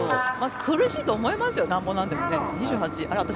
苦しいと思いますよ、なんぼなんでもね。